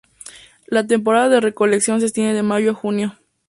La temporada de recolección se extiende de mayo a junio.